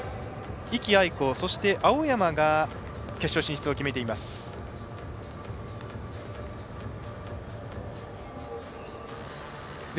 壹岐あいこそして、青山が決勝進出を決めています。